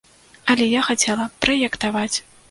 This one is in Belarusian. Але я хацела праектаваць.